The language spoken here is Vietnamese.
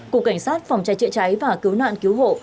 cục cảnh sát phòng cháy chữa cháy và cứu nạn cứu hộ